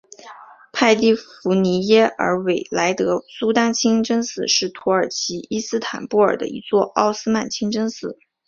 派蒂芙妮耶尔韦莱德苏丹清真寺是土耳其伊斯坦布尔的一座奥斯曼清真寺。